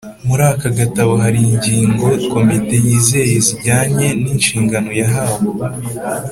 Muri aka gatabo hari ingingo Komite yize zijyanye n'inshingano yahawe,